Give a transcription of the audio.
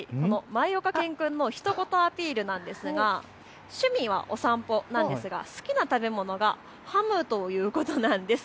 まいおか犬くんのひと言アピールなんですが趣味はお散歩なんですが好きな食べ物がハムということなんです。